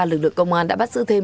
lực lượng công an đã bắt giữ thêm